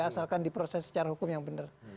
asalkan di proses secara hukum yang benar